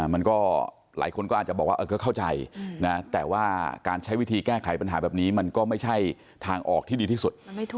มันก็หลายคนก็อาจจะบอกว่าก็เข้าใจนะแต่ว่าการใช้วิธีแก้ไขปัญหาแบบนี้มันก็ไม่ใช่ทางออกที่ดีที่สุด